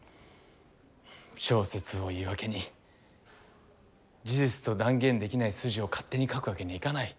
小説を言い訳に事実と断言できない筋を勝手に書くわけにはいかない。